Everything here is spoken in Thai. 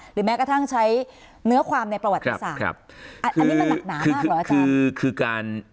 แม้กระทั่งใช้เนื้อความในประวัติศาสตร์อันนี้มันหนักหนามากเหรออาจารย์